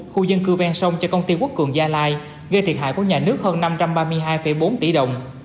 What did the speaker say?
khu dân cư ven sông cho công ty quốc cường gia lai gây thiệt hại của nhà nước hơn năm trăm ba mươi hai bốn tỷ đồng